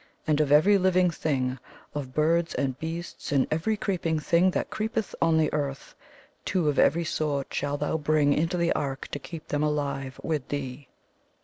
And of every living thing, of birds, and beasts, and every creep ing thing that creepeth on the earth, two of every sort shalt thou bring into the ark to keep them alive with thee.'